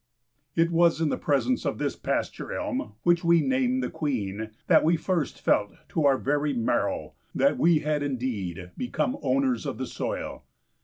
It was in the presence of this pasture elm, which we name the Queen, that we first felt to our very marrow that we had indeed become owners of the soil!